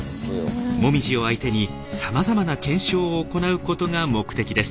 もみじを相手にさまざまな検証を行うことが目的です。